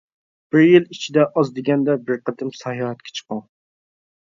بىر يىل ئىچىدە ئاز دېگەندە بىر قېتىم ساياھەتكە چىقىڭ.